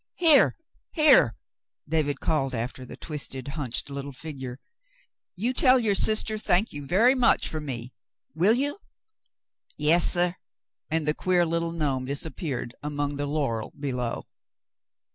"Here, here !" David called after the twisted, hunched little figure. "You tell your sister 'thank you very much,' for me. Will you?" "Yas, suh," and the queer little gnome disappeared among the laurel below.